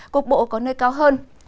cục bộ có nơi cao hơn